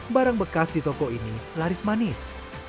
barang bekas di toko ini laris manis